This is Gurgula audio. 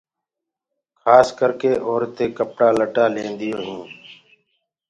کاس ڪرِڪي اورتينٚ ڪپڙآ لٽآ ليديٚونٚ هينٚ